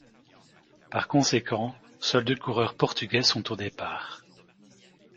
Par conséquent, seuls deux coureurs portugais sont au départ.